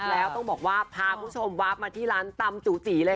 แล้วต้องบอกว่าพาคุณผู้ชมวาบมาที่ร้านตำจูจีเลย